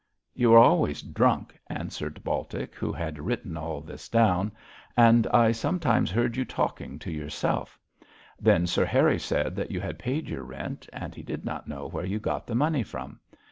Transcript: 'You were always drunk,' answered Baltic, who had written all this down, 'and I sometimes heard you talking to yourself. Then Sir Harry said that you had paid your rent, and he did not know where you got the money from.